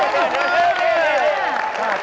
จัดการ